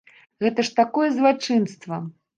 Гэта ж такое злачынства!